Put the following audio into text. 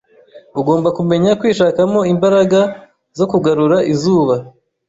Ugomba kumenya kwishakamo imbaraga zo kugarura izuba